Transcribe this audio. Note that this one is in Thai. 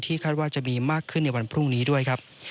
คาดว่าจะมีมากขึ้นในวันพรุ่งนี้ด้วยครับ